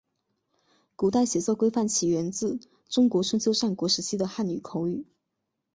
古代写作规范起源自中国春秋战国时期的汉语口语。